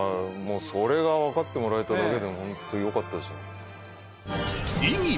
それが分かってもらえただけでもホントよかったです